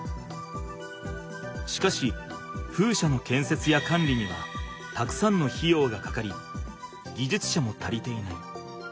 しかし風車のけんせつやかんりにはたくさんの費用がかかり技術者も足りていない。